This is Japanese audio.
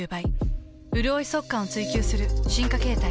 うるおい速乾を追求する進化形態。